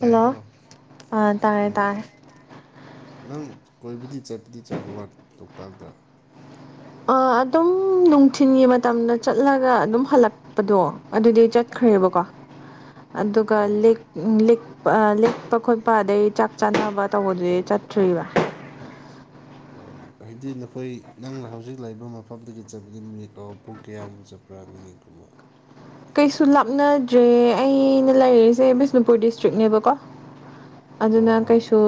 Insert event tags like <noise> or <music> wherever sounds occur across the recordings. Hello ꯑꯥ ꯇꯥꯔꯦ ꯎꯝ ꯇꯥꯔꯦ ꯅꯪ ꯀꯣꯏꯕꯗꯤ ꯆꯠꯄꯗꯤ ꯆꯥꯛꯀꯕ ꯂꯣꯛꯇꯥꯛꯗ ꯑꯥ ꯑꯗꯨꯝ ꯅꯨꯡꯊꯤꯟꯒꯤ ꯃꯇꯝꯗ ꯆꯠꯂꯒ ꯑꯗꯨꯝ ꯍꯜꯂꯛꯄꯗꯣ ꯑꯗꯨꯗꯤ꯫ ꯆꯠꯈ꯭ꯔꯦꯕꯀꯣ ꯑꯗꯨꯒ ꯑꯣ ꯂꯤꯛ ꯂꯤꯛ꯫ ꯂꯤꯛꯄ ꯈꯣꯠꯄ ꯑꯗꯩ ꯆꯥꯛ ꯆꯥꯅꯕ ꯇꯧꯕꯗꯨꯗꯤ ꯆꯠꯇ꯭ꯔꯤꯕ꯫ <inaudible> ꯍꯥꯏꯗꯤ ꯅꯈꯣꯏ ꯅꯪꯅ ꯍꯧꯖꯤꯛ ꯂꯩ ꯃꯐꯝꯗꯒꯤ ꯆꯠꯄꯗꯤ ꯃꯤꯅꯤꯠ ꯂꯣ ꯄꯨꯡ ꯀꯌꯥꯃꯨꯛ ꯆꯠ ꯄ꯭ꯔꯥꯃꯤꯅꯤꯠꯀꯨꯝꯕ꯫ ꯀꯩꯁꯨ ꯂꯥꯞꯅꯗ꯭ꯔꯦ ꯑꯩꯅ ꯂꯩꯔꯤꯁꯦ ꯕꯤꯁꯅꯨꯄꯨꯔ ꯗꯤꯁꯇ꯭ꯔꯤꯛꯅꯦꯕꯀꯣ꫰꫰ ꯑꯗꯨꯅ ꯍꯣꯏ ꯍꯣꯏ ꯀꯩꯁꯨ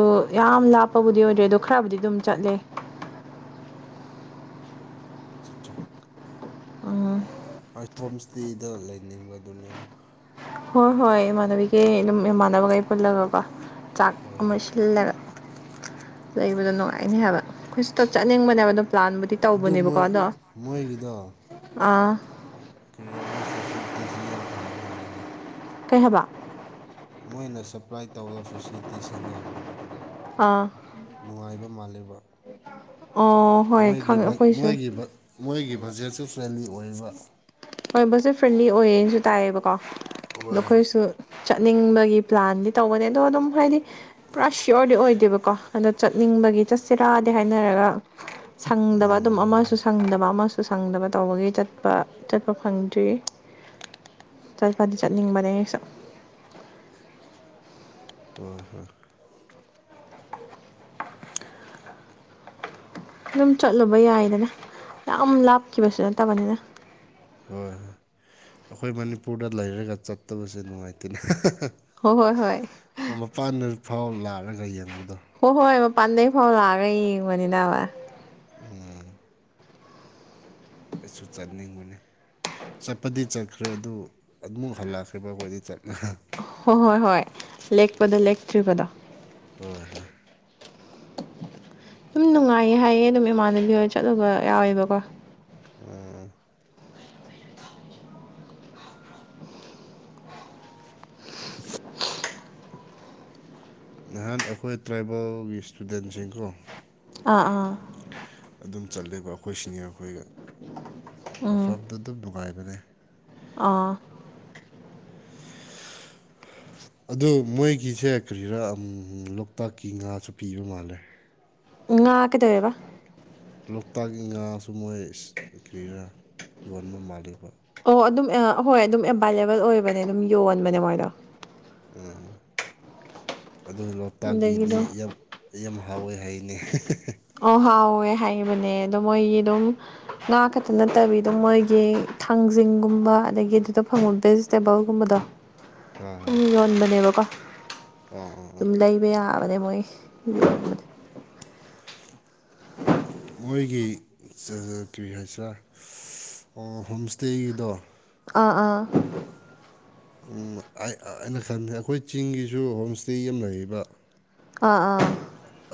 ꯌꯥꯝ ꯂꯥꯞꯄꯕꯨꯗꯤ ꯑꯣꯏꯗ꯭ꯔꯦ ꯑꯗꯣ ꯈꯔꯕꯨꯗꯤ ꯑꯗꯨꯝ ꯆꯠꯂꯦ꯫ ꯆꯠ ꯎꯝ ꯑꯩ ꯍꯣꯝ ꯏꯁꯇꯦꯗ ꯂꯩꯅꯤꯡꯕꯗꯨꯅꯦꯕ ꯍꯣꯏ ꯍꯣꯏ ꯏꯃꯥꯟꯅꯕꯤꯈꯩ ꯑꯗꯨꯝ ꯏꯃꯥꯟꯅꯕꯈꯩ ꯄꯨꯜꯂꯒꯀꯣ ꯆꯥꯛ ꯍꯣꯏ ꯑꯃ ꯍꯣꯏ ꯁꯤꯜꯂꯒ ꯂꯩꯕꯗꯣ ꯅꯨꯡꯉꯥꯏꯅꯤ ꯍꯥꯏꯕ ꯑꯩꯈꯣꯏꯁꯨꯇꯞ ꯆꯠꯅꯤꯡꯕꯅꯦꯕ ꯑꯗꯨꯝ ꯄ꯭ꯂꯥꯟꯕꯨꯗꯤ ꯑꯗꯨ ꯇꯧꯕꯅꯦꯕꯀꯣ ꯃꯣꯏ ꯑꯗꯣ ꯃꯣꯏꯒꯤꯗꯣ ꯑꯥ ꯀꯔꯤꯔ ꯃ ꯐꯦꯁꯤꯂꯤꯇꯤꯁꯤ ꯌꯥꯝ ꯐꯕ ꯃꯥꯜꯂꯅꯤ ꯀꯩ ꯍꯥꯏꯕ ꯃꯣꯏꯅ ꯁꯄ꯭ꯂꯥꯏ ꯇꯧꯕ ꯐꯦꯁꯤꯂꯤꯇꯤꯁꯤꯡꯗꯣ ꯑꯥ ꯅꯨꯡꯉꯥꯏꯕ ꯃꯥꯜꯂꯤꯕꯒꯤ ꯑꯣ ꯍꯣꯏ ꯈꯪꯉꯦ ꯑꯩꯈꯣꯏꯁꯨ ꯃꯣꯏꯒꯤ ꯃꯣꯏꯒꯤ ꯕꯖꯦꯠꯁꯨ ꯐ꯭ꯔꯦꯟꯂꯤ ꯑꯣꯏꯔꯤꯕ ꯍꯣꯏ ꯕꯁꯁꯦ ꯐ꯭ꯔꯦꯟꯂꯤ ꯑꯣꯏꯌꯦꯅꯁꯨ ꯇꯥꯏꯌꯦꯕꯀꯣ ꯑꯗꯣ ꯍꯣꯏ ꯑꯩꯈꯣꯏꯁꯨ ꯆꯠꯅꯤꯡꯕꯒꯤ ꯄ꯭ꯂꯥꯟꯗꯤ ꯇꯧꯕꯅꯦ ꯑꯗꯣ ꯑꯗꯨꯝ ꯍꯥꯏꯗꯤ ꯄꯨꯔꯥ ꯁꯤꯌꯣꯔꯗꯤ ꯑꯣꯏꯗꯦꯕꯀꯣ ꯑꯗꯣ ꯆꯠꯅꯤꯡꯕꯒꯤ ꯆꯠꯁꯤꯔꯥꯗꯤ ꯍꯥꯏꯅꯔꯒ ꯁꯪꯗꯕ ꯑꯗꯨꯝ ꯎꯝ ꯑꯃꯁꯨ ꯁꯪꯗꯕ ꯑꯃꯁꯨ ꯁꯪꯗꯕ ꯇꯧꯕꯒꯤ ꯆꯠꯄ ꯈ ꯐꯪꯗ꯭ꯔꯤ ꯆꯠꯄꯗꯤ ꯆꯠꯅꯤꯡꯕꯅꯦ ꯁ ꯍꯣꯏ ꯍꯣꯏ ꯑꯗꯨꯝ ꯆꯠꯂꯨꯕ ꯌꯥꯏꯗꯅ ꯌꯥꯝ ꯂꯥꯞꯈꯤꯕꯁꯨ ꯅꯠꯇꯕꯅꯤꯅ ꯍꯣꯏ ꯍꯣꯏ ꯑꯩꯈꯣꯏ ꯃꯅꯤꯄꯨꯔꯗ ꯂꯩꯔꯒ ꯆꯠꯇꯕꯁꯦ ꯅꯨꯡꯉꯥꯏꯇꯦꯅꯦ ꯍ ꯍꯣꯏ ꯍꯣꯏ ꯑꯣ ꯃꯄꯥꯟ ꯅꯨꯔꯤꯛ ꯐꯥꯎ ꯂꯥꯛꯑꯒ ꯌꯦꯡꯕꯗꯣ ꯍꯣꯏ ꯍꯣꯏ ꯃꯄꯥꯟꯗꯩ ꯐꯥꯎ ꯂꯥꯛꯑꯒ ꯌꯦꯡꯕꯅꯤꯗꯅꯕ ꯎꯝ ꯀꯁꯨ ꯆꯠꯅꯤꯡꯕꯅꯤ ꯆꯠꯄꯗꯤ ꯆꯠꯈ꯭ꯔꯦ ꯑꯗꯨ ꯑꯃꯝꯨ ꯍꯜꯂꯛꯈ꯭ꯔꯦꯕ ꯑꯩꯈꯣꯏꯗꯤꯠ ꯍꯣꯏ ꯍꯣꯏ ꯍꯣꯏ ꯂꯦꯛꯄꯗ ꯂꯦꯛꯇ꯭ꯔꯤꯕꯗ ꯍꯣꯏ ꯍꯣꯏ ꯑꯗꯨꯝ ꯅꯨꯡꯉꯥꯏꯌꯦ ꯍꯥꯏꯌꯦ ꯑꯗꯨꯝ ꯏꯃꯥꯟꯅꯕꯤ ꯍ ꯆꯠꯂꯨꯕ ꯌꯥꯎꯋꯦꯕꯀꯣ ꯎꯝ ꯅꯍꯥꯟ ꯑꯩꯈꯣꯏ ꯇ꯭ꯔꯥꯏꯕꯦꯜꯒꯤ ꯏꯁꯇꯨꯗꯦꯟꯁꯤꯡꯀꯣ ꯑꯥ ꯑꯥ ꯑꯗꯨꯝ ꯆꯠꯂꯕ ꯑꯩꯈꯣꯏꯁꯤꯅꯤ ꯑꯩꯈꯣꯏꯒ ꯎꯝ ꯑꯐꯗ ꯑꯗꯨꯝ ꯅꯨꯡꯉꯥꯏꯕꯅꯦ ꯑꯥ ꯑꯗꯨ ꯃꯣꯏꯒꯤꯁꯦ ꯀꯔꯤꯔꯥ ꯂꯣꯛꯇꯥꯛꯀꯤ ꯉꯥꯁꯨ ꯄꯤꯕ ꯃꯥꯜꯂꯦ ꯉ ꯥ ꯀꯗꯧꯋꯦꯕ ꯂꯣꯛꯇꯥꯛꯀꯤ ꯉꯥꯁꯨ ꯃꯣꯏ ꯀ꯭ꯔꯤꯔ ꯌꯣꯟꯕ ꯃꯥꯜꯂꯦꯕ ꯑꯣ ꯑꯗꯨꯝ ꯑꯍꯣꯏ ꯑꯗꯨꯝ ꯑꯦꯕꯥꯏꯂꯦꯕꯜ ꯑꯣꯏꯕꯅꯦ ꯑꯗꯨꯝ ꯌꯣꯟꯕꯅꯦ ꯃꯣꯏꯗꯣ ꯎꯝ ꯑꯗꯨ ꯑꯗꯒꯤ ꯂꯣꯛꯇꯥꯛꯀꯤꯗꯤ ꯑꯗꯨꯝ ꯌꯥꯝ ꯑꯩ ꯌꯥꯝ ꯍꯥꯎꯋꯦ ꯍꯥꯏꯌꯦꯅꯦ ꯑꯣ ꯍꯥꯎꯋꯦ ꯍꯥꯏꯕꯅꯦ ꯑꯗꯣ ꯃꯣꯏꯒꯤ ꯑꯗꯨꯝ ꯉꯥ ꯈꯛꯇ ꯅꯠꯇꯕꯤꯗ ꯃꯣꯏꯒꯤ ꯊꯥꯡꯖꯤꯡꯒꯨꯝꯕ ꯑꯗꯥꯒꯤ ꯑꯗꯨꯗ ꯐꯪꯕ ꯚꯦꯖꯤꯇꯦꯕꯜꯒꯨꯝꯕꯗꯣ ꯍꯣꯏ ꯁꯨꯝ ꯍꯣꯏ ꯌꯣꯟꯕꯅꯦꯕꯀꯣ ꯑꯣ ꯑꯣ ꯑꯣ ꯑꯗꯨꯝ ꯂꯩꯕ ꯌꯥꯕꯅꯦ ꯃꯣꯏ ꯃꯣꯏꯒꯤ ꯀꯔꯤ ꯍꯥꯏꯁꯔꯦ ꯑꯣ ꯍꯣꯝ ꯏꯁꯇꯦꯒꯤꯗꯣ ꯑꯥ ꯑꯥ ꯑꯩꯅ ꯈꯟꯖꯩ ꯑꯩꯈꯣꯏ ꯆꯤꯡꯒꯤꯁꯨ ꯍꯣꯝ ꯏꯁꯇꯦ ꯑꯃ ꯂꯩꯔꯤꯕ ꯑꯥ ꯑꯥ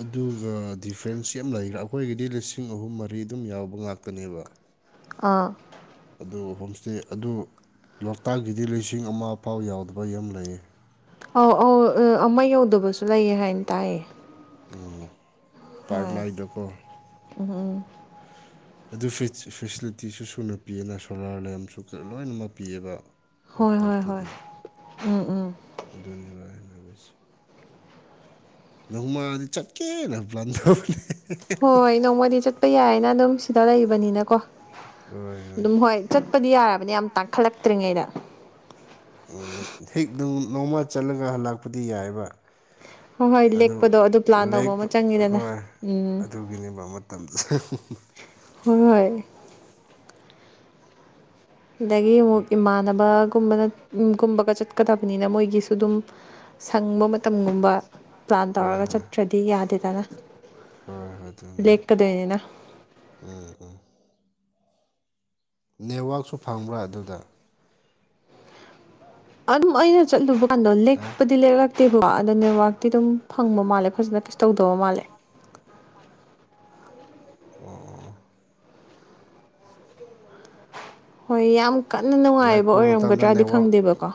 ꯑꯗꯨꯒ ꯗꯤꯐ꯭ꯔꯦꯟꯁꯁꯤ ꯌꯥꯝ ꯂꯩꯈ꯭ꯔꯥ ꯑꯩꯈꯣꯏꯒꯤꯗꯤ ꯂꯤꯁꯤꯡ ꯑꯍꯨꯝ ꯃꯔꯤ ꯑꯗꯨꯝ ꯌꯥꯎꯕ ꯉꯥꯛꯇꯅꯦꯕ ꯑꯥ ꯑꯗꯨ ꯍꯣꯝ ꯏꯁꯇꯦ ꯑꯗꯨ ꯂꯣꯛꯇꯥꯛꯀꯤꯗꯤ ꯂꯤꯁꯤꯡ ꯑꯃ ꯐꯥꯎ ꯌꯥꯎꯗꯕ ꯌꯥꯝ ꯂꯩꯌꯦ ꯑꯧ ꯑꯧ ꯑꯃ ꯌꯧꯗꯕꯁꯨ ꯂꯩꯌꯦ ꯍꯥꯏꯅ ꯇꯥꯏꯑꯌꯦ ꯑꯣ ꯄꯔꯅꯥꯏꯗꯀꯣ ꯎꯝ ꯎꯝ ꯑꯗꯨ ꯐꯦꯁ ꯐꯦꯁꯤꯂꯤꯇꯤꯁꯨ ꯁꯨꯅ ꯄꯤꯌꯦꯅ ꯁꯣꯂꯥꯔ ꯂꯦꯝꯁꯨ ꯂꯣꯏꯅꯃꯛ ꯄꯤꯌꯦꯕ ꯍꯣꯏ ꯍꯣꯏ ꯍꯣꯏ ꯂꯣꯛꯇꯥꯛꯇꯗꯤ ꯎꯝ ꯎꯝ ꯑꯗꯨꯅꯦꯕ ꯑꯩꯅ ꯍꯥꯏꯕꯁꯦ ꯅꯣꯡꯃꯗꯤ ꯆꯠꯀꯦꯅ ꯄ꯭ꯂꯥꯟ ꯇꯧꯕꯅꯦ ꯍꯣꯏ ꯅꯣꯡꯃꯗꯤ ꯆꯠꯄ ꯌꯥꯏꯅ ꯑꯗꯨꯝ ꯁꯤꯗ ꯂꯩꯕꯅꯤꯅꯀꯣ ꯑꯗꯨꯝ ꯍꯣꯏ ꯆꯠꯄꯗꯤ ꯌꯥꯔꯕꯅꯤ ꯌꯥꯝ ꯇꯥꯡꯈꯠꯂꯛꯇ꯭ꯔꯤꯉꯩꯗ ꯎꯝ ꯍꯦꯛ ꯗꯄꯝ ꯅꯣꯡꯃ ꯆꯠꯂꯒ ꯍꯜꯂꯛꯄꯗꯤ ꯌꯥꯏꯕ ꯍꯣꯏ ꯍꯣꯏ ꯑꯗꯨ ꯂꯦꯛꯄꯗꯣ ꯄ꯭ꯂꯥꯟ ꯇꯧꯕ ꯂꯄ ꯑꯃ ꯆꯪꯉꯤꯗꯅ ꯍꯣꯏ ꯎꯝ ꯑꯗꯨꯒꯤꯅꯦꯕ ꯃꯇꯝ ꯍꯣꯏ ꯍꯣꯏ ꯑꯗꯒꯤ ꯑꯃꯨꯛ ꯏꯃꯥꯟꯅꯕ ꯀꯨꯝꯕꯗ ꯀꯨꯝꯕꯒ ꯆꯠꯀꯗꯕꯅꯤꯅ ꯃꯣꯏꯒꯤꯁꯨ ꯑꯗꯨꯝ ꯁꯪꯕ ꯃꯇꯝꯒꯨꯝꯕ ꯄ꯭ꯂꯥꯟ ꯍꯣꯏ ꯇꯧꯔꯒ ꯍꯣꯏ ꯍꯣꯏ ꯆꯠꯇ꯭ꯔꯗꯤ ꯌꯥꯗꯦꯗꯅ ꯍꯣꯏ ꯑꯗꯨꯅꯦ ꯂꯦꯛꯀꯗꯣꯏꯅꯦꯅ ꯎꯝ ꯎꯝ ꯅꯦꯠꯋꯥꯛꯁꯨ ꯐꯪꯕ꯭ꯔꯥ ꯑꯗꯨꯗ ꯑꯗꯨꯝ ꯑꯩꯅ ꯆꯠꯂꯨꯕ ꯀꯥꯟꯗꯣ ꯍꯥ ꯂꯦꯛꯄꯗꯤ ꯂꯦꯛꯂꯛꯇꯦꯕꯀꯣ ꯑꯗꯣ ꯅꯦꯠꯋꯥꯛꯇꯤ ꯑꯗꯨꯝ ꯐꯪꯕ ꯃꯥꯜꯂꯦ ꯐꯖꯅ ꯀꯩꯁꯨ ꯇꯧꯗꯧ ꯃꯥꯜꯂꯦ <unintelligible> ꯑꯣ ꯑꯣ ꯍꯣꯏ ꯌꯥꯝ ꯀꯟꯅ ꯅꯨꯡꯉꯥꯏꯕ ꯂꯥꯛꯄ ꯃꯇꯝꯗ ꯑꯣꯏꯔꯝꯒꯗ꯭ꯔꯗꯤ ꯅꯦꯠꯋꯥꯛ ꯈꯪꯗꯦꯕꯀꯣ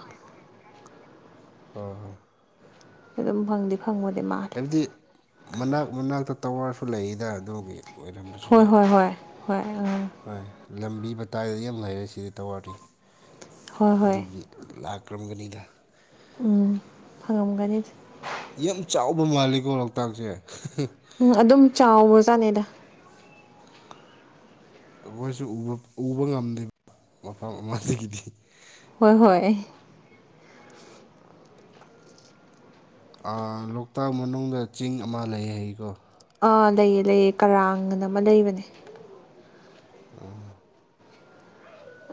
ꯍꯣ ꯍꯣ ꯑꯗꯨꯝ ꯐꯪꯗꯤ ꯐꯪꯕꯗꯤ ꯃꯥꯟꯂꯤ ꯍꯥꯏꯗꯤ ꯃꯅꯥꯛ ꯃꯅꯥꯛꯇ ꯇꯋꯥꯔꯁꯨ ꯂꯩꯌꯦꯗ ꯑꯗꯨꯒꯤ ꯑꯣꯏꯔꯝꯕꯁꯨ ꯍꯣꯏ ꯌꯥꯏ ꯍꯣꯏ ꯍꯣꯏ ꯍꯣꯏ ꯑꯥ ꯍꯣꯏ ꯂꯝꯕꯤ ꯃꯇꯥꯏꯗꯗꯤ ꯌꯥꯝ ꯂꯩꯔꯦ ꯁꯤꯗꯤ ꯇꯧꯋꯔꯗꯤ ꯍꯣꯏ ꯍꯣꯏ ꯑꯗꯨꯒꯤ ꯂꯥꯛꯔꯝꯒꯅꯤꯗ ꯎꯝ ꯐꯪꯉꯝꯒꯅꯤ ꯌꯥꯝ ꯆꯥꯎꯕ ꯃꯥꯜꯂꯤꯀꯣ ꯂꯣꯛꯇꯥꯛꯁꯦ ꯎꯝ ꯑꯗꯨꯝ ꯆꯥꯎꯕꯖꯥꯠꯅꯤꯗ ꯑꯩꯈꯣꯏꯁꯨ ꯎꯕ ꯎꯕꯉꯝꯗꯦ ꯃꯐꯝ ꯑꯃꯗꯒꯤꯗꯤ ꯍꯣꯏ ꯍꯣꯏ ꯂꯣꯛꯇꯥꯛ ꯃꯅꯨꯡꯗ ꯆꯤꯡ ꯑꯃ ꯂꯩꯌꯦ ꯍꯥꯏꯀꯣ ꯑꯥ ꯂꯩꯌꯦ ꯂꯩꯌꯦ ꯀꯔꯥꯡꯅ ꯑꯃ ꯂꯩꯕꯅꯦ ꯎꯝ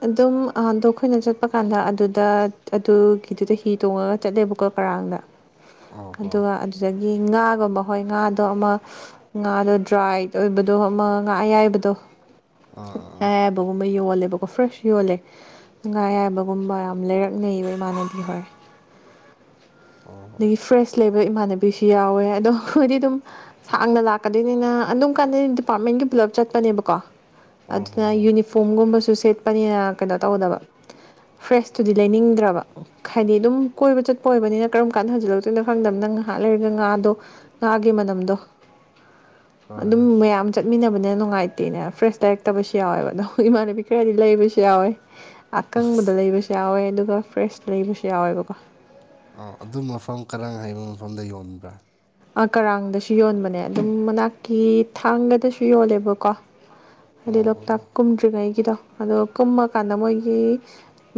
ꯑꯗꯨꯝ ꯑꯗꯣ ꯑꯩꯈꯣꯏꯅ ꯆꯠꯄ ꯀꯥꯟꯗ ꯑꯗꯨꯗ ꯑꯗꯨꯒꯤꯗꯨꯗ ꯍꯤ ꯇꯣꯡꯉꯒ ꯆꯠꯂꯦꯕꯀꯣ ꯀꯔꯥꯡꯗ ꯑꯣ ꯍꯣ ꯑꯗꯨꯒ ꯑꯗꯨꯗꯒꯤ ꯉꯥꯒꯨꯝꯕ ꯍꯣꯏ ꯉꯥꯗꯣ ꯑꯃ ꯉꯥꯗꯣ ꯗ꯭ꯔꯥꯏꯠ ꯑꯣꯏꯕꯗꯣ ꯑꯃ ꯉꯥ ꯑꯌꯥꯏꯕꯗꯣ ꯑꯥ ꯑꯥ ꯑꯥ ꯑꯌꯥꯏꯕꯒꯨꯝꯕ ꯌꯣꯜꯂꯦꯕ ꯑꯣ ꯐ꯭ꯔꯦꯁ ꯌꯣꯜꯂꯦ ꯉꯥ ꯑꯌꯥꯏꯕꯒꯨꯝꯕ ꯌꯥꯝ ꯂꯩꯔꯛꯅꯩꯕ ꯏꯃꯥꯟꯅꯕꯤ ꯍꯣꯏ ꯑꯣ ꯍꯣ ꯑꯗꯒꯤ ꯐ꯭ꯔꯦꯁ ꯂꯩꯕ ꯏꯃꯥꯟꯅꯕꯤꯁꯨ ꯌꯥꯎꯋꯦ ꯑꯗꯣ ꯑꯩꯈꯣꯏꯗꯤ ꯑꯗꯨꯝ ꯁꯥꯡꯅ ꯂꯥꯛꯀꯗꯣꯏꯅꯤꯅ ꯑꯗꯨꯝ ꯀꯥꯟꯗ ꯗꯤꯄꯥꯔꯠꯃꯦꯟꯒꯤ ꯄꯨꯂꯞ ꯆꯠꯄꯅꯦꯕꯀꯣ ꯑꯣ ꯍꯣ ꯑꯗꯨꯅ ꯍꯣꯏ ꯌꯨꯅꯤꯐ ꯐꯥꯒꯨꯝꯕꯁꯨ ꯁꯦꯠꯄꯅꯤꯅ ꯀꯩꯅꯣ ꯇꯧꯗꯕ ꯐ꯭ꯔꯦꯁꯇꯨꯗꯤ ꯂꯩꯅꯤꯡꯗ꯭ꯔꯕ ꯍꯥꯏꯗꯤ ꯑꯗꯨꯝ ꯀꯣꯏꯕ ꯆꯠꯄ ꯑꯣꯏꯕꯅꯤꯅ ꯀꯔꯝ ꯀꯥꯟꯗ ꯍꯟꯖꯟꯂꯛꯇꯣꯏꯅꯣ ꯈꯪꯗꯃꯤꯅ ꯉꯍꯥꯛ ꯂꯩꯔꯒ ꯉꯥ ꯗꯣ ꯉꯥꯒꯤ ꯃꯅꯝꯗꯣ ꯍꯣꯏ ꯍꯣꯏ ꯑꯗꯨꯝ ꯃꯌꯥꯝ ꯆꯠꯃꯤꯟꯅꯕꯅ ꯅꯨꯡꯉꯥꯏꯇꯦꯅ ꯐ꯭ꯔꯦꯁ ꯂꯩꯔꯛꯇꯕꯁꯨ ꯌꯥꯎꯋꯦꯕ ꯑꯗꯣ ꯏꯃꯥꯟꯅꯕꯤ ꯈꯔꯗꯤ ꯂꯩꯕꯁꯨ ꯌꯥꯎꯋꯦ ꯑꯀꯪꯕꯗꯣ ꯑꯁ ꯂꯩꯕꯁꯨ ꯌꯥꯎꯋꯦ ꯑꯗꯨꯒ ꯐ꯭ꯔꯦꯁ ꯂꯩꯕꯁꯨ ꯌꯥꯎꯋꯦꯕꯀꯣ ꯑꯣ ꯑꯗꯨ ꯃꯐꯝ ꯀꯔꯥꯏ ꯍꯥꯏꯕ ꯃꯐꯝꯗ ꯌꯣꯟꯕ꯭ꯔꯥ ꯀꯔꯥꯡꯗꯁꯨ ꯌꯣꯟꯕꯅꯦ ꯑꯗꯨꯝ ꯃꯅꯥꯛꯀꯤ ꯊꯥꯡꯒꯗꯁꯨ ꯌꯣꯜꯂꯦꯕꯀꯣ <unintelligible> ꯍꯥꯏꯗꯤ ꯑꯣ ꯂꯣꯛꯇꯥꯛ ꯀꯨꯝꯗ꯭ꯔꯤꯉꯩꯒꯤꯗꯣ ꯑꯗꯣ ꯀꯨꯝꯃꯀꯥꯟꯗ ꯃꯣꯏꯒꯤ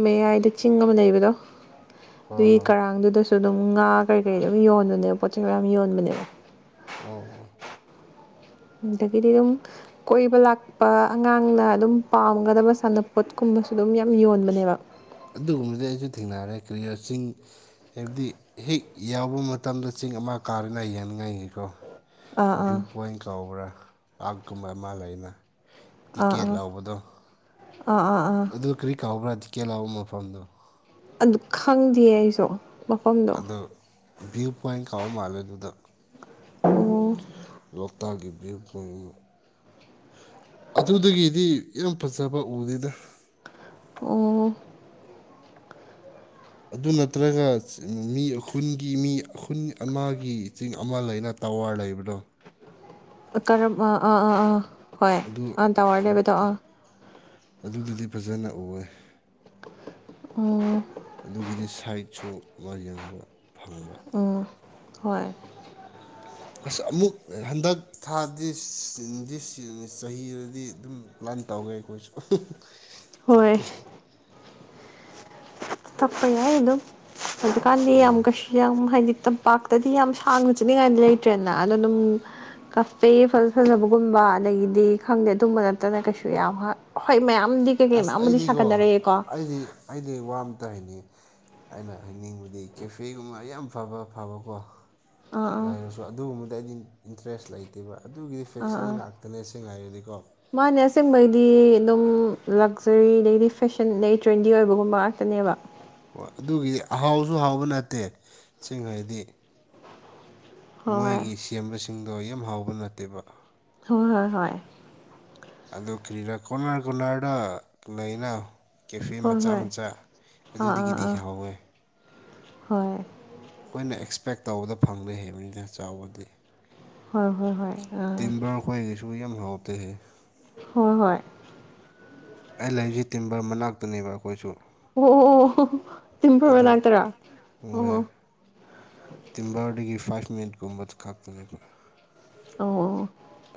ꯃꯌꯥꯏꯗ ꯆꯤꯡ ꯑꯃ ꯂꯩꯕꯗꯣ ꯍꯣꯏ ꯑꯗꯨꯏ ꯍꯣꯏ ꯀꯥꯥꯔꯥꯡꯗꯨꯗꯁꯨ ꯑꯗꯨꯝ ꯉꯥ ꯀꯩ ꯀꯩ ꯑꯗꯨꯝ ꯌꯣꯟꯕꯅꯦ ꯄꯣꯠ ꯆꯩ ꯃꯌꯥꯝ ꯌꯣꯟꯕꯅꯦ ꯑꯣ ꯑꯣ ꯑꯗꯒꯤꯗꯤ ꯑꯗꯨꯝ ꯀꯣꯏꯕ ꯂꯥꯛ ꯄꯥ ꯑꯉꯥꯡꯅ ꯑꯗꯨꯝ ꯄꯥꯝꯒꯗꯕ ꯁꯥꯟꯅꯄꯣꯠꯀꯨꯝꯕꯁꯨ ꯑꯗꯨꯝ ꯌꯥꯝ ꯌꯣꯟꯕꯅꯦꯕ ꯑꯗꯨꯒꯨꯝꯕꯗꯤ ꯑꯩꯁꯨ ꯊꯦꯡꯅꯔꯦ ꯀ꯭ꯔꯤꯔ ꯆꯤꯡ ꯍꯥꯏꯕꯗꯤ ꯍꯦꯛ ꯌꯥꯎꯕ ꯃꯇꯝꯗ ꯆꯤꯡ ꯑꯃ ꯀꯥꯔꯦꯅ ꯌꯦꯅꯤꯡꯉꯥꯏꯒꯤꯀꯣ ꯑꯥ ꯑꯥ ꯚ꯭ꯌꯨ ꯄꯣꯏꯟ ꯀꯧꯕ꯭ꯔꯥ ꯄꯥꯔꯛꯀꯨꯝꯕ ꯑꯃ ꯂꯩꯅ ꯑꯥ ꯇꯤꯀꯦꯠ ꯑꯥ ꯂꯧꯕꯗꯣ ꯑꯥ ꯑꯥ ꯑꯥ ꯑꯗꯨ ꯀꯔꯤ ꯀꯥꯎꯕ꯭ꯔꯥ ꯇꯤꯀꯦꯜ ꯂꯥꯎꯕ ꯃꯐꯝꯗꯣ ꯑꯗꯨ ꯈꯪꯗꯦ ꯑꯩꯁꯨ ꯃꯐꯝꯗꯣ ꯑꯗꯣ ꯚ꯭ꯌꯨ ꯄꯣꯏꯟ ꯀꯥꯎ ꯃꯥꯜꯂꯦ ꯑꯗꯨꯗ ꯑꯣ ꯂꯣꯛꯇꯥꯛ ꯀꯤ ꯚꯤꯌꯨ ꯄꯧꯟꯠ ꯑꯗꯨꯗꯒꯤꯗꯤ ꯌꯥꯝ ꯐꯖꯕ ꯎꯗꯦꯗ ꯑꯣ ꯑꯣ ꯑꯗꯨ ꯅꯠꯇ꯭ꯔꯒ ꯃꯤ ꯈꯨꯟꯒꯤ ꯃꯤ ꯈꯨꯟ ꯑꯃꯒꯤ ꯆꯤꯡ ꯑꯃ ꯂꯩꯅ ꯇꯋꯥꯔ ꯂꯩꯕꯗꯣ ꯀꯔꯝ ꯑꯥ ꯑꯥ ꯑꯥ ꯍꯣꯏ ꯑꯗꯨ ꯑꯥ ꯇꯋꯥꯔ ꯂꯩꯕꯗꯣ ꯑꯗ ꯑꯥ ꯑꯗꯨꯗꯗꯤ ꯐꯖꯅ ꯎꯏꯌꯦ ꯫ ꯎꯝ ꯑꯗꯨꯒꯤꯗꯤ ꯁꯥꯏꯠꯁꯨ ꯃꯥ ꯌꯦꯡꯕ ꯐꯪꯕ ꯑꯣ ꯍꯣꯏ <inaudible> ꯑꯁ ꯑꯃꯨꯛ ꯍꯟꯗꯛ ꯊꯥꯗꯤ ꯗꯤꯁ ꯗꯤꯁ ꯆꯍꯤꯗꯗꯤ ꯑꯗꯨꯝ ꯄ꯭ꯂꯥꯟ ꯇꯧꯒꯦ ꯑꯩꯈꯣꯏꯁꯨ ꯍꯣꯏ ꯆꯠꯀꯦ ꯇꯄ ꯌꯥꯏ ꯑ ꯑꯗꯨꯝ ꯍꯧꯖꯤꯛꯀꯥꯟꯗꯤ ꯌꯥꯝ ꯍꯣꯏ ꯀꯩꯁꯨ ꯌꯥꯝ ꯍꯥꯏꯗꯤ ꯇꯝꯄꯥꯛꯇꯗꯤ ꯌꯥꯝ ꯁꯥꯡꯅ ꯆꯠꯅꯤꯡꯉꯥꯏꯗꯤ ꯂꯩꯇ꯭ꯔꯦꯅ ꯑꯗ ꯑꯗꯨꯝ ꯀꯞ ꯐꯦ <unintelligible> ꯒꯨꯝꯕ ꯑꯗꯒꯤꯗꯤ ꯈꯪꯗꯦ ꯑꯗꯨꯝꯕ ꯅꯠꯇꯅ ꯀꯩꯁꯨ ꯌꯥꯝ ꯍꯥꯞ ꯍꯣꯏ ꯃꯌꯥꯝꯗꯤ ꯀꯩꯀꯩ ꯑꯁ ꯃꯌꯥꯝꯕꯨꯗꯤ ꯑꯩꯗꯤꯀꯣ ꯁꯥꯒꯠꯅꯔꯛꯑꯦꯀꯣ ꯫ ꯑꯩꯗꯤ ꯑꯩꯗꯤ ꯋꯥ ꯑꯃ ꯇꯥꯏꯅꯦ ꯑꯩꯅ ꯍꯥꯏꯅꯤꯡꯕꯗꯤ ꯀꯦꯐꯦꯒꯨꯝꯕ ꯌꯥꯝ ꯐꯕ ꯐꯕꯀꯣ ꯑꯥ ꯑꯥ ꯂꯩꯔꯁꯨ ꯑꯗꯨꯒꯨꯝꯕꯗ ꯑꯩꯗꯤ ꯏꯟꯇꯔꯦꯁ ꯂꯩꯇꯦꯕ ꯑꯗꯨꯒꯤꯗꯤ ꯑꯥ ꯐꯤꯛꯁꯟ ꯑꯥ ꯉꯥꯛꯇ ꯅꯦꯁꯁꯤꯡ ꯍꯥꯏꯔꯗꯤꯀꯣ ꯃꯥꯅꯦ ꯑꯁꯦꯡꯕꯩꯗꯤ ꯑꯗꯨꯝ ꯂꯛ ꯁꯤꯔꯤ ꯑꯗꯩꯗꯤ ꯐꯦꯁꯟ ꯑꯗꯩ ꯇ꯭ꯔꯦꯟꯗꯤ ꯑꯣꯏꯕꯒꯨꯝꯕ ꯉꯥꯛꯇꯅꯦꯕ ꯍꯣꯏ ꯑꯗꯨꯒꯤꯗꯤ ꯍꯥꯎꯁꯨ ꯍꯥꯎꯕ ꯅꯠꯇꯦ ꯁꯤꯡ ꯍꯥꯏꯗꯤ ꯍꯣꯏ ꯃꯣꯏꯒꯤ ꯁꯦꯝꯕꯁꯤꯡꯗꯣ ꯌꯥꯝ ꯍꯥꯎꯕ ꯅꯠꯇꯦꯕ ꯍꯣꯏ ꯍꯣꯏ ꯍꯣꯏ ꯑꯗꯨ ꯀꯔꯤꯔꯥ ꯀꯣꯂꯔ ꯀꯣꯂꯔꯗ ꯂꯩꯅ ꯀꯦꯐꯦ ꯍꯣꯏ ꯃꯆꯥ ꯍꯣꯏ ꯃꯆꯥ ꯑꯥ ꯑꯥ ꯑꯗꯨꯗꯒꯤꯗꯤ ꯑꯥ ꯍꯥꯎꯋꯦ ꯍꯣꯏ ꯑꯩꯈꯣꯏꯅ ꯑꯦꯛꯁꯄꯦꯛ ꯇꯧꯕꯗ ꯐꯪꯗꯦ ꯍꯩꯕꯅꯤꯅ ꯆꯥꯎꯕꯗꯤ ꯍꯣꯏ ꯍꯣꯏ ꯍꯣꯏ ꯑꯥ ꯇꯤꯝꯕꯔ ꯈꯣꯏꯒꯤꯁꯨ ꯌꯥꯝ ꯍꯥꯎꯇꯦꯍꯦ ꯍꯣꯏ ꯍꯣꯏ ꯑꯩ ꯂꯩꯁꯤ ꯇꯤꯝꯕꯔ ꯃꯅꯥꯛꯇꯅꯦꯕ ꯑꯩꯈꯣꯏꯁꯨ ꯑꯣꯑꯣꯑꯣ ꯍꯣ ꯍꯣ ꯇꯤꯝꯕꯔ ꯑꯗꯨ ꯃꯅꯥꯛꯇꯔꯣ ꯍꯣꯏ ꯑꯣ ꯇꯤꯝꯕꯔꯗꯒꯤ ꯐꯥꯏꯚ ꯃꯤꯅꯤꯠꯀꯨꯝꯕꯗ ꯈꯛꯇꯅꯦꯕ ꯑꯣ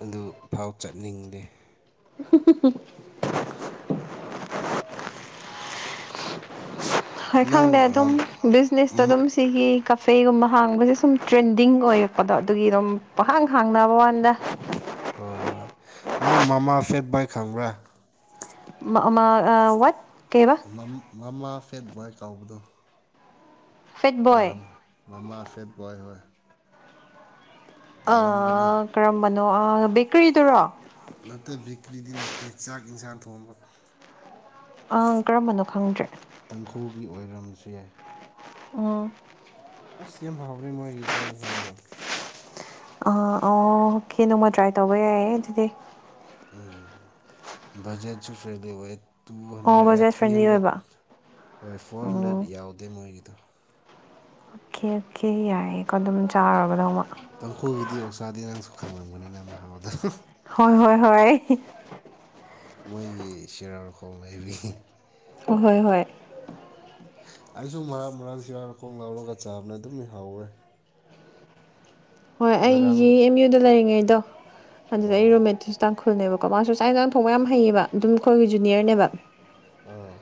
ꯑꯗꯨꯐꯥꯎ ꯆꯠꯅꯤꯡꯗꯦ <unintelligible> ꯍꯣꯏ ꯅꯪ ꯈꯪꯗꯦ ꯑꯗꯨꯝ ꯑꯝ ꯕꯤꯖꯤꯅꯦꯁꯇ ꯃ ꯑꯗꯨꯝ ꯁꯤꯒꯤ ꯀꯐꯦꯒꯨꯝꯕ ꯍꯥꯡꯕꯁꯦ ꯁꯨꯝ ꯇ꯭ꯔꯦꯟꯗꯤꯡ ꯑꯣꯏꯔꯛꯄꯗꯣ ꯑꯗꯨꯒꯤ ꯑꯗꯨꯝ ꯄꯍꯥꯡ ꯍꯥꯡꯅꯕ ꯋꯥꯟꯗ ꯍꯣꯏ ꯍꯣꯢ ꯅꯪ ꯃꯃꯥ ꯐꯦꯠ ꯕꯥꯥꯏ ꯈꯪꯕ꯭ꯔꯥ ꯋꯥꯠ ꯀꯩꯕ ꯃꯝ ꯃꯃꯥ ꯐꯦꯠ ꯕꯣꯏ ꯀꯧꯕꯗꯣ ꯐꯦꯠ ꯕꯣꯏ ꯇꯥꯔꯝ ꯃꯃꯥ ꯐꯦꯗ ꯕꯣꯏ ꯍꯣꯏ ꯇꯥꯔꯝꯒꯅꯤ ꯑꯥ ꯀꯔꯝꯕꯅꯣ ꯑꯥ ꯕꯦꯀꯔꯤ ꯗꯨꯔꯣ ꯅꯠꯇꯦ ꯕꯦꯀ꯭ꯔꯤꯗꯤ ꯅꯠꯇꯦ ꯆꯥꯛ ꯌꯦꯟꯁꯥꯡ ꯊꯣꯡꯕ ꯑꯪ ꯀꯔꯝꯕꯅꯣ ꯈꯪꯗ꯭ꯔꯦ ꯇꯥꯡꯈꯨꯜꯒꯤ ꯑꯣꯏꯔꯝꯕꯁꯨ ꯌꯥꯏ ꯎꯝ ꯑꯁ ꯌꯥꯝ ꯍꯥꯎ꯭ꯔꯅꯦ ꯃꯣꯏꯒꯤ ꯆꯥꯛ ꯏꯁꯥꯡꯗꯣ ꯑꯥ ꯑꯣ ꯀꯦ ꯅꯣꯡꯃ ꯇ꯭ꯔꯥꯏ ꯇꯧꯕ ꯌꯥꯏꯌꯦ ꯑꯗꯨꯗꯤ ꯎꯝ ꯕꯖꯦꯠꯁꯨ ꯐ꯭ꯔꯤꯗ ꯑꯣꯏꯌꯦꯠ ꯇꯨ ꯑꯣ ꯍꯟꯗ꯭ꯔꯦꯠ ꯑꯦ ꯕꯖꯦꯠ ꯊ꯭ꯔꯤ ꯐ꯭ꯔꯦꯟꯂꯤ ꯍꯟꯗ꯭ꯔꯦꯠ ꯑꯣꯏꯕ ꯍꯣꯏ ꯐꯣꯔ ꯑꯣ ꯍꯟꯗ꯭ꯔꯦꯠ ꯑꯣꯀꯦ ꯌꯥꯎꯗꯦ ꯃꯣꯏꯒꯤꯗꯣ ꯑꯣꯀꯦ ꯑꯣꯀꯦ ꯌꯥꯏꯌꯦꯀꯣ ꯑꯗꯨꯝ ꯆꯥꯔꯕꯗ ꯑꯃ ꯇꯥꯡꯈꯨꯜꯒꯤꯗꯤ ꯃꯌꯧꯁꯗꯩ ꯅꯪꯁꯨ ꯈꯪꯂꯝꯒꯅꯤꯗ ꯃꯔꯛ ꯃꯔꯛꯇ ꯍꯣꯏ ꯍꯣꯏ ꯍꯣꯏ ꯃꯣꯏꯒꯤ ꯁꯤꯔꯥꯔꯈꯣꯡ ꯂꯩꯕꯤ ꯍꯣꯏ ꯍꯣꯏ ꯑꯩꯁꯨ ꯃꯔꯛ ꯃꯔꯛ ꯁꯤ ꯋꯥꯔ ꯈꯣꯡ ꯂꯥꯎꯔꯒ ꯆꯥꯕꯅ ꯑꯗꯨꯝ ꯍꯥꯎꯌꯦ ꯍꯣꯏ ꯉꯔꯥꯡ ꯑꯩꯒꯤ ꯑꯦꯝ ꯌꯨꯗ ꯂꯩꯔꯤꯉꯩꯗꯣ ꯑꯗꯨꯗ ꯑꯥ ꯑꯩꯔꯣꯃꯦꯇꯤꯁ ꯇꯥꯡꯈꯨꯜꯅꯦꯕꯀꯣ ꯃꯥꯁꯨ ꯆꯥꯛ ꯏꯟꯁꯥꯡ ꯊꯣꯡꯕ ꯌꯥꯝ ꯍꯩꯌꯦꯕ ꯑꯗꯨꯝ ꯑꯩꯈꯣꯏꯒꯤ ꯖꯨꯅꯤꯌꯔꯅꯦꯕ ꯑꯥ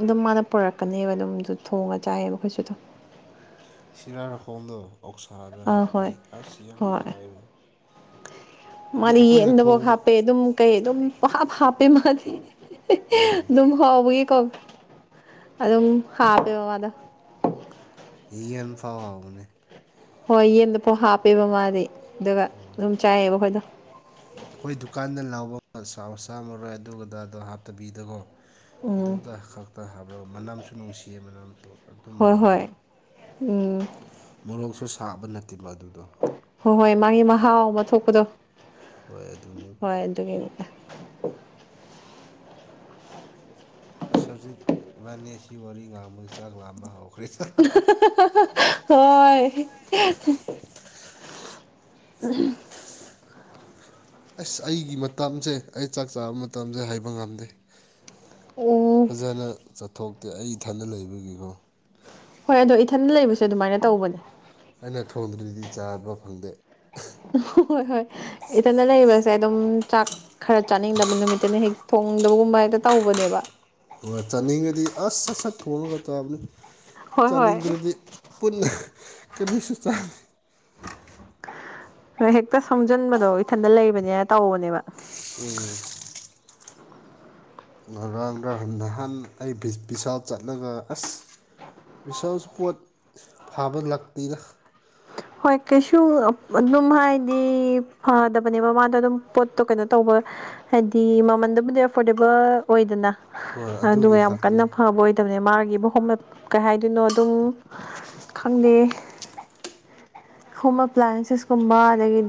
ꯑꯗꯨꯝ ꯃꯥꯅ ꯄꯨꯔꯛꯀꯅꯦꯕ ꯑꯗꯨꯝꯁꯨ ꯊꯣꯡꯉ ꯆꯥꯏꯌꯦꯕ ꯑꯩꯈꯣꯏꯁꯨ ꯑꯗꯨꯝ ꯁꯤꯔꯥꯔꯈꯣꯡꯗꯣ ꯑꯣꯛꯁꯥꯗ ꯑꯥ ꯍꯣꯏ ꯍꯥꯞꯄꯗꯤ ꯑꯁ ꯌꯥꯝꯅ ꯍꯣꯏ ꯅꯨꯡꯉꯥꯏꯕꯅꯤ ꯍꯥꯏꯕꯗꯤ ꯃꯥꯗꯤ ꯑꯩꯈꯣꯏꯅ ꯌꯦꯟꯗꯕꯛ ꯊꯣꯡꯕ ꯍꯥꯞꯄꯦ ꯑꯗꯨꯝ ꯀꯩ ꯑꯗꯨꯝ ꯄꯍꯥꯞ ꯍꯥꯞꯄꯦ ꯃꯥꯗꯤ ꯑꯥ ꯑꯗꯨꯝ ꯍꯥꯎꯕꯒꯤꯀꯣ ꯑꯗꯨꯝ ꯍꯥꯞꯄꯦꯕ ꯃꯥꯗꯨ ꯌꯦꯟ ꯐꯥꯎ ꯍꯥꯎꯕꯅꯦ ꯍꯣꯏ ꯌꯦꯟꯗꯐꯧ ꯍꯥꯞꯄꯦꯕ ꯃꯥꯗꯤ ꯑꯗꯨꯒ ꯑꯗꯨꯝ ꯆꯥꯏꯌꯦꯕ ꯑꯈꯣꯏꯗꯣ ꯍꯣꯏ ꯑꯩꯈꯣꯏ ꯗꯨꯀꯥꯟꯗ ꯂꯥꯎꯕ ꯁꯥ ꯁꯥꯃꯔꯣꯏ ꯑꯗꯨ ꯑꯗꯗꯣ ꯍꯥꯞꯇꯕꯤꯗꯀꯣ ꯎꯝ ꯑꯗꯨꯗ ꯈꯛꯇ ꯍꯥꯞꯂꯒ ꯃꯅꯝꯁꯨ ꯅꯨꯡꯁꯤꯌꯦ ꯃꯅꯝꯁꯨ ꯑꯗꯨꯝ ꯍꯣꯏ ꯍꯥꯎꯋꯦꯗ ꯍꯣꯏ ꯎꯝ ꯃꯣꯔꯣꯛꯁꯨ ꯁꯥꯕ ꯅꯠꯇꯦꯕ ꯑꯗꯨꯗꯣ ꯍꯣꯏ ꯍꯣꯏ ꯃꯥꯒꯤ ꯃꯍꯥꯎ ꯑꯃ ꯊꯣꯛꯄꯗꯣ ꯍꯣꯏ ꯑꯗꯨꯅꯦꯕ ꯍꯣꯏ ꯑꯗꯨꯒꯤꯅꯤ ꯑꯦ ꯑꯁ ꯍꯧꯖꯤꯛ ꯏꯕꯥꯅꯤ ꯑꯁꯤ ꯋꯥꯔꯤ ꯉꯥꯡꯕꯖꯤ ꯆꯥꯛ ꯂꯥꯝꯕ ꯍꯧꯈ꯭ꯔꯦꯗ <unintelligible> ꯍꯣꯏ <unintelligible> ꯑꯁ ꯑꯩꯒꯤ ꯃꯇꯝꯁꯦ ꯑꯩ ꯆꯥꯛ ꯆꯥꯕ ꯃꯇꯝꯁꯦ ꯍꯥꯏꯕ ꯉꯝꯗꯦ ꯎꯝ ꯐꯖꯅ ꯆꯠꯊꯣꯛꯇꯦ ꯑꯩ ꯏꯊꯟꯗ ꯂꯩꯕꯒꯤꯀꯣ ꯍꯣꯏ ꯑꯗꯣ ꯏꯊꯟ ꯂꯩꯕꯁꯦ ꯑꯗꯨꯃꯥꯏꯅ ꯇꯧꯕꯅꯦ ꯑꯩꯅ ꯊꯣꯡꯗ꯭ꯔꯗꯤ ꯆꯥꯕ ꯐꯪꯗꯦ ꯍꯣꯏ ꯍꯣꯏ ꯏꯊꯟꯅ ꯂꯩꯕ ꯆꯥꯏ ꯑꯗꯨꯝ ꯆꯥꯛ ꯈꯔ ꯆꯥꯅꯤꯡꯗꯕ ꯅꯨꯃꯤꯠꯇꯅ ꯍꯦꯛ ꯊꯣꯡꯗꯕꯒꯨꯝꯕ ꯍꯦꯛꯇ ꯇꯧꯕꯅꯦꯕ ꯍꯣꯏ ꯆꯥꯅꯤꯡꯉꯗꯤ ꯑꯁ ꯁꯠ ꯁꯠ ꯊꯣꯡꯉꯒ ꯆꯥꯕꯅꯦ ꯍꯣꯏ ꯍꯣꯏ ꯆꯥꯅꯤꯡꯗ꯭ꯔꯗꯤ ꯄꯨꯟ ꯀꯔꯤꯁꯨ ꯆꯥ ꯂꯣꯏ ꯍꯦꯛꯇ ꯁꯣꯡꯖꯤꯟꯕꯗꯣ ꯏꯊꯟꯗ ꯂꯩꯕꯅꯤꯅ ꯇꯧꯕꯅꯦꯕ ꯎꯝ ꯉꯔꯥꯡꯒꯍꯥꯟ ꯅꯍꯥꯟ ꯑꯩ ꯚꯤ ꯚꯤꯁꯥꯜ ꯆꯠꯂꯒ ꯑꯁ ꯚꯤꯁꯥꯜꯁꯨ ꯄꯣꯠ ꯐꯕ ꯂꯥꯛꯇꯦꯗ ꯍꯣꯏ ꯀꯩꯁꯨ ꯑꯗꯨꯝ ꯍꯥꯏꯗꯤ ꯐꯗꯕꯅꯦꯕ ꯃꯥꯗꯣ ꯑꯗꯨꯝ ꯄꯣꯠꯇꯣ ꯀꯩꯅꯣ ꯇꯧꯕ ꯍꯥꯏꯗꯤ ꯃꯃꯟꯗꯨꯕꯨꯗꯤ ꯑꯦꯐꯣꯔꯗꯦꯕꯜ ꯑꯣꯏꯗꯅ ꯍꯣꯏ ꯑꯗꯨꯒ ꯑꯗꯨꯒꯤ ꯌꯥꯝ ꯈꯛꯇꯅꯤ ꯀꯟꯅ ꯐꯕ ꯑꯣꯏ ꯗꯕꯅꯦ ꯃꯥꯒꯤꯕꯨ ꯍꯣꯝꯃꯦꯗ ꯀꯩ ꯍꯥꯏꯗꯣꯏꯅꯣ ꯑꯗꯨꯝ ꯈꯪꯗꯦ ꯍꯣꯝ ꯑꯦꯄ꯭ꯂꯥꯏꯌꯦꯟꯁꯦꯁꯀꯨꯝꯕ ꯑꯗꯒꯤꯗꯤ